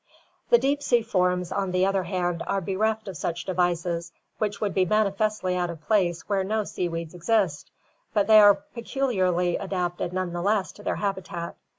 The deep sea forms, on the other hand, are bereft of such devices, which would be manifestly out of place where no sea weeds exist, but they are peculiarly adapted none the less to their habitat.